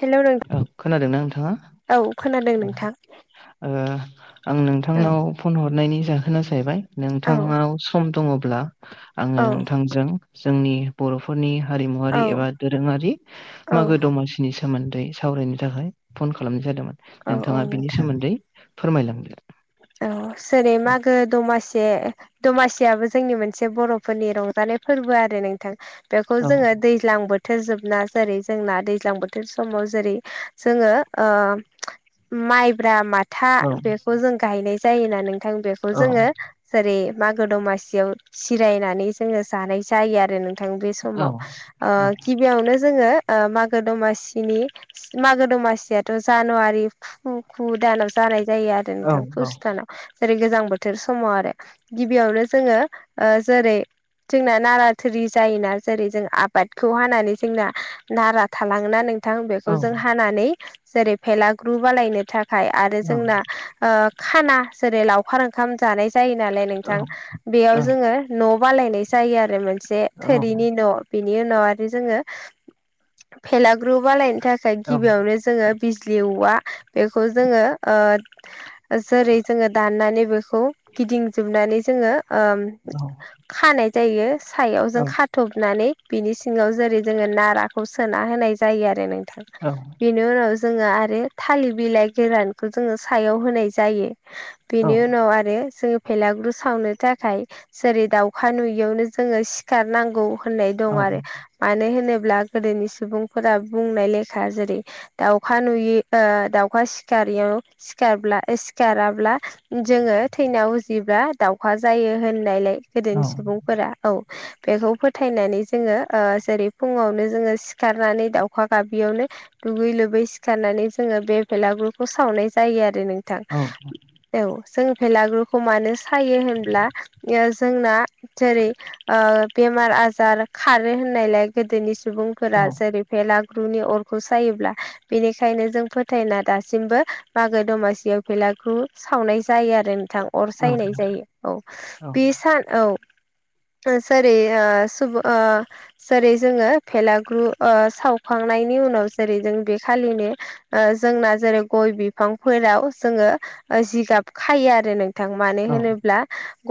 हेल' औ खोनादोंना नोंथाङा नोंथां औ खोनादों नोंथां आं औ नोंथांनाव फन हरनायनि जाहोना जाहैबाय औ नोंथांनाव सम दङब्ला औ आङो नोंथांजों जोंनि बर'फोरनि हारिमुवरारि एबा दोरोङारि औ मागो दमासिनि सोमोन न्दै सावरायनो थाखाय फन खालामनाय जादोंमोन औ नोंथाङा बिनि नोंथां सोमोन्दै फोरमायलांदों औ जेरै मागो दमासे दमासियाबो जोंनि मोनसे बर'फोरनि रंजानाय फोरबो आरो नोंथां बेखौ औ जोङो दैज्लां बोथ बो थोरजोबना जेरै जोंना दैज्लां बोथोर समाव जेरै जोङो माइब्रा माथा औ बेखौ जों गायनाय जायोना नोंथां बेखौ औ जोङो जेरै मागो दमासियाव जिरायनानै जोङो जानाय जायो आरो नोंथां बे स औ समाव गिबियावनो जोङो मागो दमासिनि मागो दमासियाथ' जानुवारि फुखु दानाव जानाय जायो आरो औ नोंथां फुस जेरै गोजां बोथोर समाव आरो गिबियावनो जोङो जेरै जोंना नाराथुरि जायोना जेरै जों आबादखौ हानानै जोंना नारा थालाङोना नों औ बेखौ जों हानानै जेरै भेलाग्रुब आलायनो थाखाय आरो औ जोंना खाना जेरै लावखार ओंखाम जानाय जायो नालाय नोंथां औ बेयाव जोङो न' बालायनाय जायो आरो मोनसे औ थोरिनि न' बेनि उनाव आरो जोङो फेलाग्रुब आलायनो थाखाय औ गिबियावनो जोङो बिजलि औवा बेखौ जोङो जेरै जोङो दाननानै बेखौ गिदिंजोबनानै जोङो औ खानाय जायो सायाव औ जों खा थबनानै बिनि सिङाव जेरै जोङो नाराखौ सोना होनाय जायो आरो नोंथां औ बेनि उनाव जोङो आरो थालिर बिलाइ गोरानखौ जोङो सायाव होनाय जायो बेनि उनाव आरो जोङो भेलागुरु सावनो थाखाय जेरै दाउखा नुयियावनो जोङो सिखारनांगौ होननाय दं आरो मानो होनोब्ला गोदोनि सुबुंफोरा बुंनाय लेखा जेरै दाउखा नुयो दाउखा सिखारयाव सिखारब्ला सिखाराब्ला जोङो थैनायाव जिब्ला दाावखा जायो होननायलाय गोदोनि सुबुंफोरा औ बेखौ फोथायनानै जोङो जेरै फुङावनो जोङो सिखारनानै दाउखा गाबियावनो दुगै लोबै सिखारनानै जोङो बे बेलागुरुखौ सावनाय जायो आरो नोंथां औ औ जों भेलाग्रुखौ मानो सायो होनब्ला जोंना जेरै ओ बेमार आजार खारो होननायलाय गोदोनि सुबुंफोरा जेरै भेलागुरनि अरखौ सायोब्ला बेनिखायनो जों फोथायना दासिमबो मागो दमासियाव फैलाखौ सावनाय जायो आरो नोंथां अर औ सायनाय जायो औ बे सान औ सो सरि ओ सुब ओ जेरै जोङो भेलाग्रु ओ सावखांनायनि उनाव जेरै जों बे खालिनो जोंना जेरै गय बिफांफोराव जोङो जिगाब खायो आरो नोंथां मानो औ होनोब्ला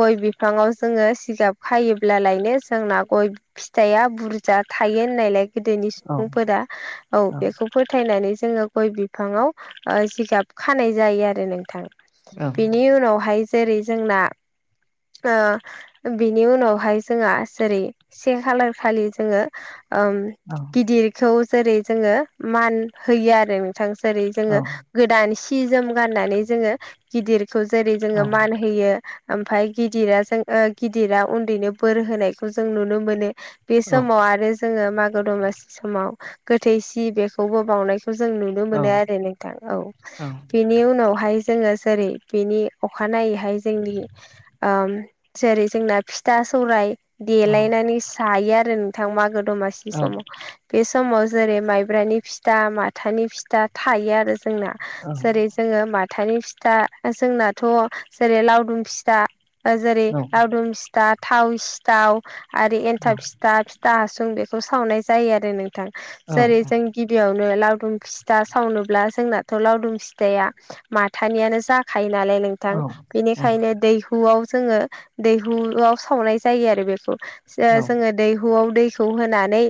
गय बिफाङाव जोङो सिगाब खायोब्लालायनो जोंना गय फिथाइया बुरजा थायो होननायलाय गोदोनि औ सुबुंफोरा औ बेखौ फोथायनानै जोङो गय बिफाङाव जिगाब खानाय जायो आरो नोंथां औ बेनि उनावहाय जेरै जोंना ओ बिनि उनावहाय जोंहा जेरै से खालार खालि जोङो ओम औ गिदिरखौ जेरै जोङो मान होयो आरो नोंथां जेरै औ जोङो गोदान सि जोम गाननानै जोङो गिदिरखौ जेरै औ जोङो मान होयो ओमफ्राय गिदिरा जों गिदिरा उनदैनो बोर होनायखौ जों नुनो मोनो बे समाव आरो जोङो मागो दमासि समाव गोथै सि बेखौबो बावनाय जों नुनो औ मोनो आरो नोंथां औ बेनि उनावहाय जोङो जेरै बेनि अखानायैहाय जोंनि ओम जेरै जोंना फिथा सौराय देलायनानै जायो आरो नोंथां मागो दमासि औ समाव बे समाव जेरै माइब्रानि फिथा माथानि फिथा थायो आरो जोंना जेरै जोङो माथानि फिथा जोंनाथ' जेरै लावदुम फिथा जेरै लावदुम फिथा थाव सिथाव आरो एनथाब सिथ दा फिथा हासुं बेखौ सावनाय जायो आरो नोंथां जेरै जों गिबियावनो लावदुम फिथा सावनोब्ला जोंनाथ' लावदुम फिथाया माथानियानो जाखायो नालाय नोंथां बेनिखायनो दैहुयाव जोङो दैहुयाव सावनाय जायो आरो बेखौ ओ जोङो दैहुयाव दैखौ होनानै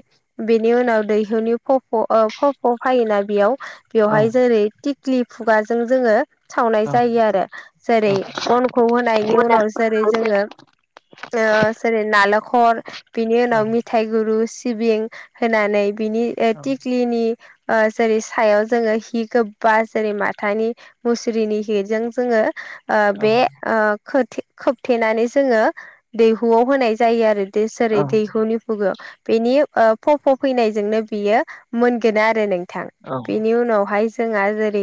बेनि उनाव दैहुनि खफ' ओ खफ' फैयोना बेयाव बेवहाय जेरै टिक्लि खुगाजों जोङो सावनाय जायो आरो जेरै अनखौ होनायनि उनाव जेरै जोङो ओ नालेखर बिनि उनाव मिथा थाइ गुरु सिबिं होनानै बिनि उम औ ओ [unintelligible] जेरै सायाव जोङो हि गो बा जेरै माथानि मुस्रिनि हिजों जोङो ओ औ औ बे ओ खोथि खोबथेनानै जोङो दैहुयाव होनाय जायो आरो औ जोरै दैहुनि फुग बेनि खफ' फैनायजोंनो बियो मोनगोन आरो नोंथां औ औ औ बेनि उनावहाय जोंहा जेरै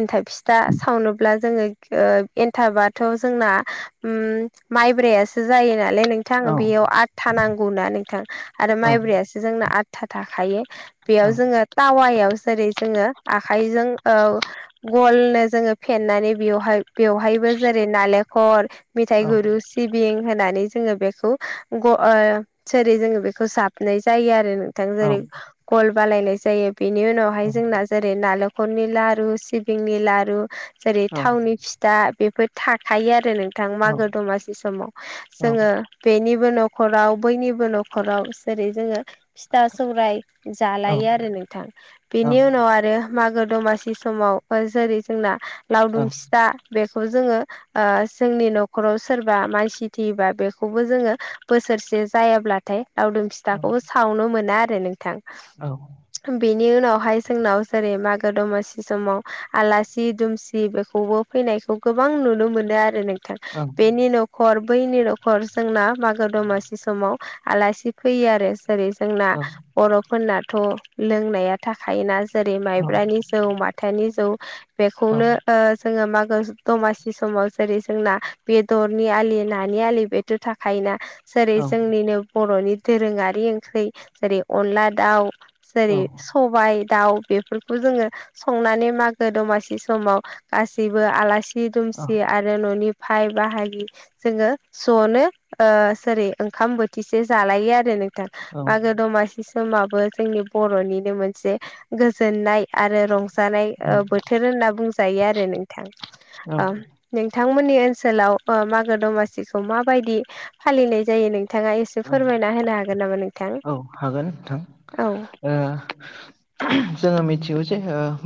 एनथाब फिथा सावनोब्ला जोङो एनथाबाथ' जोंना माइब्रायासो जायो नालाय नों औ थां बेयाव आथा नांगौना नोंथां आरो माइब्रसो जोंनो आथ था थाखायो बेयाव जोङो टावायाव जेरै जोङो आखाइजों औ गलनो जोङो फेननैनै बेवहाय बेवहायबो जेरै नालेंखल मिथाइ गुरु औ सिबिं होनानै जोङो बेखौ सेरै जोङो बेखौ जाबनाय जायो आरो जेरै गल बालायनाय जायो बेनि उनावहाय जोंना नालेंखलनि लारु सिबिंनि लारु जेरै थावनि फि था बेफोर थाखायो आरो नोंथां मागो दमासि समाव जोङो बेनिबो न'खराव बयनिबो न'खराव जेरै जोङो फिथा सौराय जालायो आरो नोंथां बेनि उनाव आरो आरो मागो दमासि समाव जेरै जोंना लावदुम फिथा बेखौ जोङो ओ जोंनि न'खराव सोरबा मानसि थैयोबा बेखौबो जोङो बोसोरसे जायाब्ला थाय लावदुम फिथाखौबो सावनो मोना आरो नोंथां औ बेनि उनावहाय जोंनाव जेरै मागो दमासि समाव आलासि दुमसि बेखौबो फैनायखौ गोबां नुनो मोनो आरो नोंथां बेनि न खर बैनि नखर जोंना मागो दमासि समाव आलासि फैयो आरो जेरै जोंना बर'फोरनाथ' लोंनाया थाखायोना जेरै माइब्रानि जौ माथानि जौ बेखौनो जोङो मागो दमासि समाव जेरै जोंना बेदरनि आलि नानि आलि बे थ' थाखायोना जेरै जोंनिनो बर'नि दोरोङारि ओंख्रि जेरै अनला दाउ जेरै सबाय दाउ बेफोरखौ जोङो संनानै मागो दमासि समाव गासैबो आलासि दुमसि आरो न'नि फाय बाहागि जोङो जनो सेरै ओंखाम बोथिसे जालायो आरो नों थां मागो दमासि समाबो जोंनि बर'निनो मोनसे गोजोननाय आरो रंजानाय बोथोर होनना बुंजायो आरो नोंथां नोंथांमोननि ओनसोलाव मागो दमासिखौ माबायदि फालिनाय जायो नोंथाङा एसे औ फोरमायना होनो हागोन नामा नों औ हागोन नोंथां जोङो मिथिगौ जे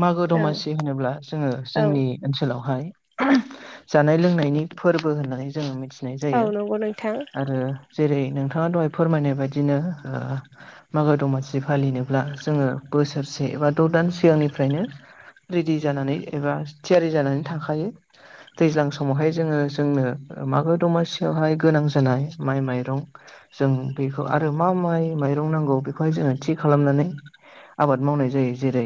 मागो औ दमासि होनोब्ला जोङो औ जोंनि ओनसोलावहाय जानाय लोंनायनि फोरबो होननानै जोङो मिथि नाय औ जायो नंगौ नोंथां आरो जेरै नोंथाङा दहाय फोरमायनाय बायदिनो मागो दमासि फालिनो ब्ला जोङो बोसोरसे एबा द' दान सिगांनिफ्रायनो रेडि जानानै एबा थियारि जानानै थाखायो दैज्लां समावहाय जोङो जोंनो मागो दमासियावहाय गोनां जानाय माइ माइरं जों बेखौ आरो मा माइ माइरं नांगौ बेखौहाय जोङो थि खालामनानै आबाद मावनाय जायो जेरै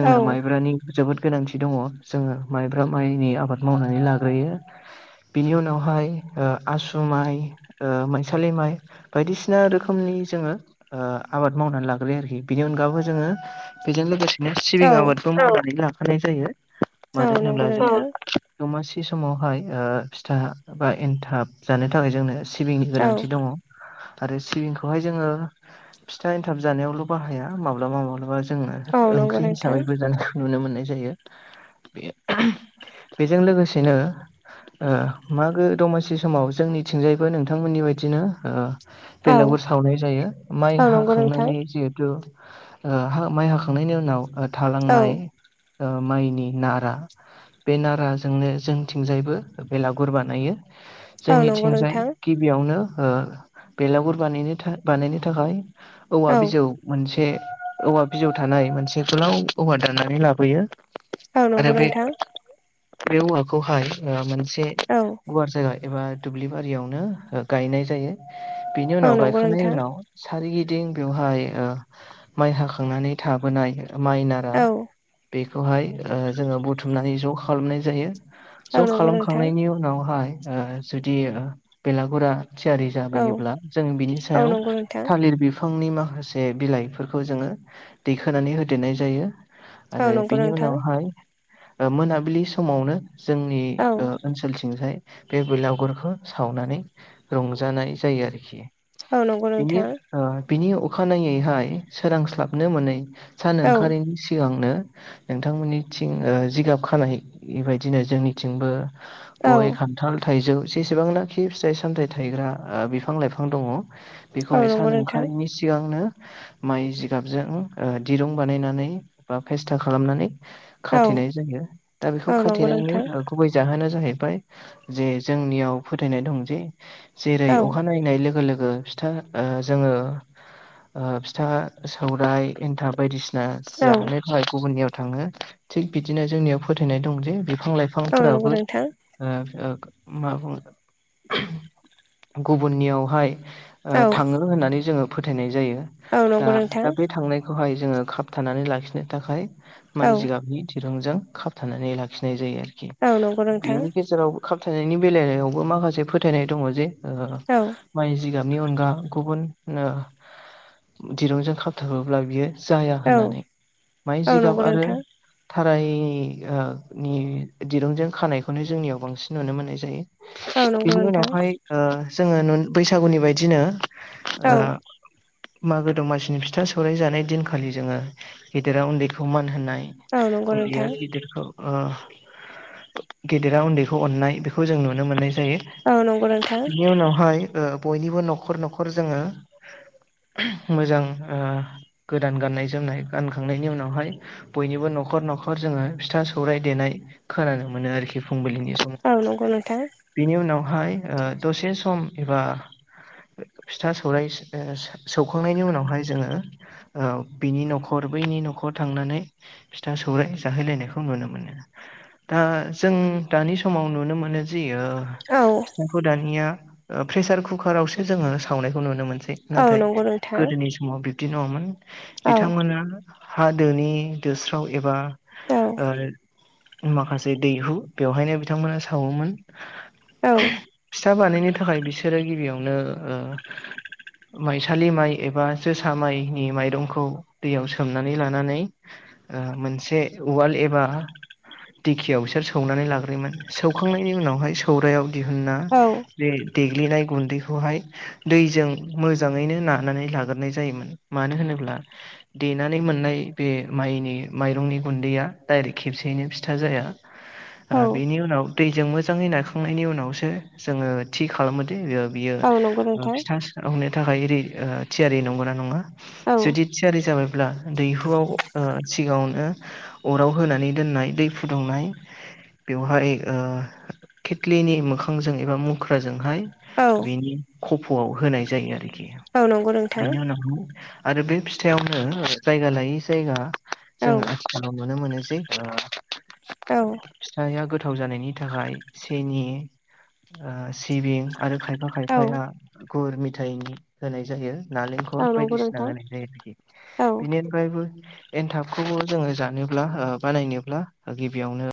औ माइब्रानि जोबोद गोनांथि दङ जोङो माइब्रा माइनि आबाद मावनानै लाग्रोयो बिनि उनावहाय आसु माइ माइसालि माइ बायदिसिना रोखोम नि जोङो आबाद मावनानै लाग्रोयो आरोखि बिनि अनगाबो जोङो बेजों लोगोसे बिदिनो औ सिबिं आबादखौ मावनानै लाखानाय जायो औ मानो होनोब्ला नंगौ नोंथां जों दमासि समावहाय फिथा बा एनथाब जानो थाखाय जोंनो सिबिंनि औ गोनांथि दङ आरो सिबिंखौ हाय जोङो फिथा एन्थाब जानायावल' बाहाया माब्लाबा माब्लाबा जोङो औ नंगौ ओंख्रि नोंथां हिसाबैबो जानायखौ नुनो मोननाय जायो बेजों लोगोसेनो मागो दमासि समाव जोंनिथिंजायबो नोंथांमोननि बायदिनो औ बेलागुर सावनाय जायो माइ औ नंगौ नोंथां हाखांनानै जिहेथु माइ हाखांनायनि उनाव औ थालांनाय माइनि नारा बे नाराजोंनो जोंथिंजायबो बेलागुर बानायो औ नंगौ जोंनिथिंजाय नोंथां गिबियावनो बेलागुर बानायनो था बानायनो थाखाय औवा औ बिजौ मोनसे औवा बिजौ थानाय मोनसे गोलाव औवा दानानै लाबोयो औ आरो नंगौ बे नोंथां बे औवाखौहाय मोनसे औ गुवार जायगा एबा दुब्लि बारियावनो गायनाय जायो बेनि औ उनावा गायखां नंगौ नोंथां सारिगिदिं बेवहाय माइ हाखांनानै थाबोनाय माइ दा औ बेखौहाय जोङो बुथुमनानै ज' खालामनाय जायो ज' औ नंगौ नोंथां खालामखांनायनि उनावहाय जुदि बेलागुरा थियारि औ जाबोयोब्ला जों बिनि औ नंगौ नोंथां औ सायाव नंगौ नोंथां [unintelligible] बिफांनि माखासे बिलाइफोरखौ जोङो दैखोनानै होदेरनाय जायो औ औ आरो नंगौ बिनि उनावहाय मोनाबिलि समावनो जोंनि ओनसोलथिंजाय बे बेलागुरखौ सावनानै रंजानाय जायो आरोखि बिनि नोंथां बिनि अखानायैहाय सोरांस्लाबनो मोनै सान औ ओंखारैनि सिगांनो नोंथांमोननिथिं जिगाब खानाय बायदिनो जोंनिथिंबो गय खान्थाल थाइजौ जेसेबांनाखि फिथाइ सामथायाइ थायग्रा बिफां लाइफां दङ औ बेखौहाय सान नंगौ नोंथां ओंखारैनि सिगांनो माइ जिगाबजों दिरुं बानायनानै बा फेस्था खालामनानै औ खाथेनाय जायो दा बेखौ औ नंगौ खाथेनायनि नोंथां गुबै जाहोना जाहैबाय जे जोंनियाव फोथायनाय दं जे जेरै औ अखानायै नाय लोगो लोगो फिथा जोङो फिथा सौरायाइ एन्थाब बायदिसिना ना औ जानो थाखाय गुबुननियाव थाङो थिग बिदिनो जोंनियाव फोथायनाय दं जे बिफां लाइफां नंगौ बिफांफोराबो नोंथां मा बुंङो गुबुननियावहाय थाङो होननानै जोङो फोथायनाय जायो औ औ नंगौ दा दा बे नोंथां थांनाय खौहाय जोङो खाबथानानै लाखिनो थाखाय माइ जिगाबनि दिरुंजों खाब थानानै लाखिनाय जायो आरोखि औ औ नंगौ बेनि नोंथां गेजेराव खाबथानायनि बेलायावबो माखासे फोथायनाय दङ जे औ माइ जिगाबनि अनगा गुबुन दिरुंजों खाबथाबोब्ला बियो जाया औ होननानै माइ औ जिगाब नंगौ आरो नोंथां थाराय नि दिरुंजों खानायखौनो जोंनियाव बांसिन नुनो मोननाय जायो औ नंगौ बिनि नोंथां उनावहाय जोङो बैसागुनि बायदिनो औ मागो दमासिनि फिथा सौराइ जानाय दिनखालि जोङो गेदेरा उन्दैखौ मान होनाय औ नंगौ उनदैया नोंथां गिदिरखौ गेदेरा उन्दैखौ अननाय बेखौ जों नुनो मोननाय जायो औ नंगौ नोंथां बेनि उनावहाय बयनिबो न'खर न'खर जोङो मोजां गोदान गाननाय जोमनाय गानखांनायनि उनावहाय बयनिबो न'खर न'खर जोङो फिथा सौर देनाय खोनानो मोनो आरोखि फुंबिलिनि समाव औ नंगौ नोंथां बेनि उनावहाय दसे सम एबा फिथा सौराय सौखांनायनि उनावहाय जोङो बिनि न'खर बैनि न'खर थांनानै फिथा सौराय जाहैलायनायखौ नुनो मोनो दा जों दानि समाव नुनो मोननाय जायो औ फखौ दानिया प्रेसार कुकार आावसो जोङो सावनायखौ नुनो मोनसै औ नाथाय नंगौ नोंथां गोदोनि समाव समाव बिब्दि नङोन औ बिथांमोना हा दोनि दोस्राव एबा औ ओ माखासे दैहु बेवहायनो बिथांमोना सावोमोन। औ। फिथा बानायनो थाखाय बिसोरो गिबियावनो ओ माइसालि माइ एबा जोसा माइनि माइरंखौ दैयाव सोमनानै लानानै ओ मोनसे उवाल एबा दिखियाव इसोर सौनानै लाग्रोयोमोन सौखांनायनि उनावहाय सौरायाव दिहुनना औ बे दैग्लिनाय गुन्दै बेखौहाय दैजों मोजाङैनो नानानै लाग्रोनाय जायोमोन मानो होनोब्ला देनानै मोननाय बे माइनि माइरंनि गुन्दैया दाइरेक्ट खेबसेयैनो फिथा जाया। [inaudible] ओ औ बिनि उनाव दैजों मोजाङै नायखांनायनि उनावसो जोङो थि खालामो दे ओ बियो औ नंगौ ओ नोंथां फिथा सावनो थाखाय ओरै ओ थियारि नंगौना नङा औ जुदि थियारि जाबायब्ला दैहुआव ओ सिगाङावनो। अराव होनानै दोननाय दै फुदुंनाय। बेवहाय ओ खेथलिनि मोखांजों एबा मुख्राजोंहाय औ। खफ'आव होनाय जायो आरोखि औ नंगौ नोंथां बिनि उनावहाय आरो बे फिथाइयावनो जायगा लायै जायगा। औ जोङो आथिखालाव नुनो मोनो जे ओ। औ फिथाया गोथाव जानायनि थाखाय सिनि ओ सिबिं आरो खायफा औ खायफाया गुर मिथाइनि होनाय जायो। औ नालेंखर नंगौ बायदिसिना नोंथां होनाय जायो। बिदि औ बिनिद फ्रायबो एनथाबखौबो जोङो जानोब्ला ओ बानायनोब्ला गिबियावनो।